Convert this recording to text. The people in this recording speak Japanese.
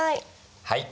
はい。